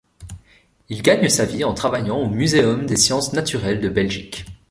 Il gagne sa vie en travaillant au Muséum des sciences naturelles de Belgique.